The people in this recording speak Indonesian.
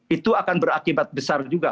itu akan berakibat besar juga